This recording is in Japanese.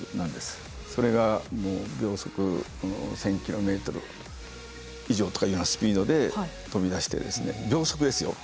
それがもう秒速１，０００キロメートル以上とかいうようなスピードで飛び出して秒速ですよ。